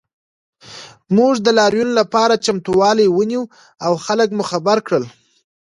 موږ د لاریون لپاره چمتووالی ونیو او خلک مو خبر کړل